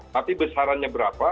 tapi besarannya berapa